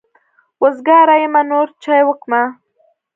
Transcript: وزګاره يمه نور چای وکمه.